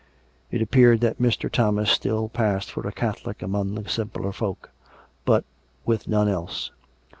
It appeared that Mr. Thomas still passed for a Catholic among the simpler folk; but with none else.